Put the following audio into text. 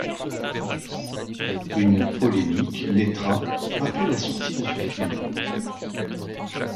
Une polémique naîtra après la sortie de ce film.